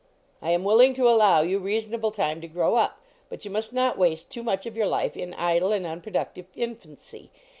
" I am willing to allow you reasonable time to grow up, but you must not waste too much of your life in idle and unproductive infancy.